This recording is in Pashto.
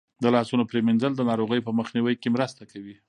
د لاسونو پریمنځل د ناروغیو په مخنیوي کې مرسته کوي.